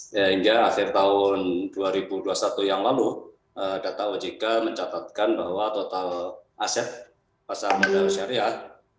sehingga akhir tahun dua ribu dua puluh satu yang lalu data ojk mencatatkan bahwa total aset pasar modal syariah